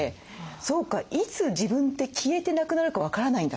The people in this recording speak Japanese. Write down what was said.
「そうかいつ自分って消えてなくなるか分からないんだ。